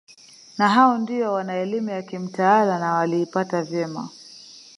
Na hao ndio wana elimu ya kimtaala na waliipata vyema